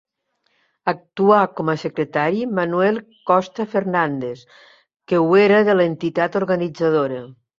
Actuà com a secretari Manuel Costa Fernández que ho era de l'entitat organitzadora.